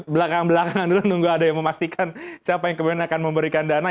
belakang belakang dulu nunggu ada yang memastikan siapa yang kemudian akan memberikan dana